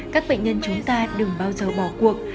các bệnh nhân chúng ta đừng bao giờ bỏ cuộc